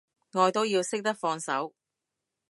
愛都要識得放手